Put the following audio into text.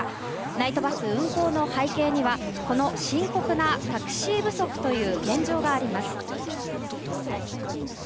ナイトバス運行の背景にはこの深刻なタクシー不足という現状があります。